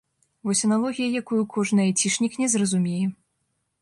Вось аналогія, якую кожны айцішнік не зразумее.